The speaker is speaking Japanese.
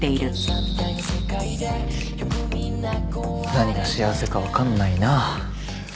何が幸せかわかんないな。